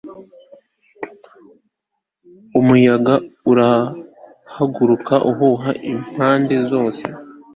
Umuyaga urahaguruka uhuha impande zose